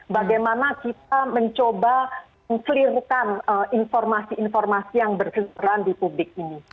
bagaimana kita mencoba mengkelirukan informasi informasi yang berkeperan di publik ini